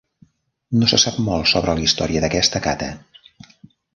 No se sap molt sobre la història d'aquest "kata".